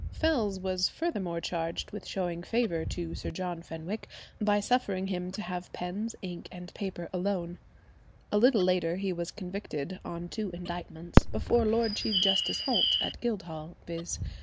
Fells was furthermore charged with showing favour to Sir John Fenwick by suffering him to have pens, ink, and paper "alone;" a little later he was convicted on two indictments before Lord Chief Justice Holt at Guildhall, viz.